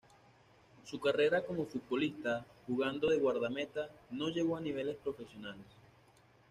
Su carrera como futbolista, jugando de guardameta, no llegó a niveles profesionales.